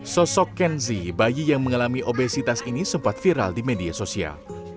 sosok kenzi bayi yang mengalami obesitas ini sempat viral di media sosial